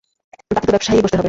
তাকে তো ব্যবসায়ই বসতে হবে।